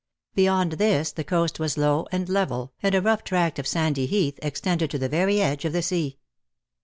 Beyond this the coast was low and level, and a rough tract of sandy heath extended to the very edge of the sea.